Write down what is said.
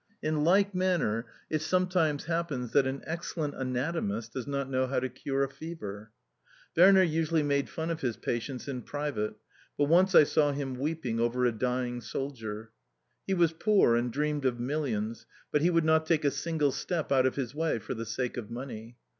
In like manner, it sometimes happens that an excellent anatomist does not know how to cure a fever. Werner usually made fun of his patients in private; but once I saw him weeping over a dying soldier... He was poor, and dreamed of millions, but he would not take a single step out of his way for the sake of money.